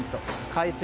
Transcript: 海水